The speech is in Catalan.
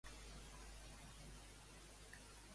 On ho va dir, allò, Puigdemont?